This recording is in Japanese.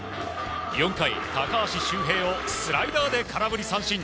４回、高橋周平をスライダーで空振り三振。